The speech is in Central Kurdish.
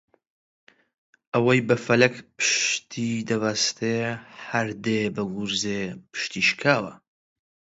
ئەوەی بە فەلەک پشتیدەبەستێ هەر دێ بە گورزێ پشتی شکاوە